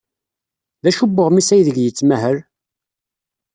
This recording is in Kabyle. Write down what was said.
D acu n uɣmis aydeg yettmahal?